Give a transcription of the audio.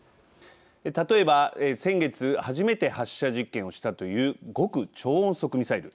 例えば先月初めて発射実験をしたという極超音速ミサイル。